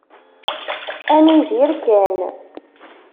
Ad nidir kan.